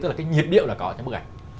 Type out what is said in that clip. tức là cái nhiệt điệu là có trong bức ảnh